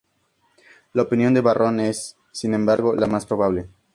La opinión de Varrón es, sin embargo, la más probable.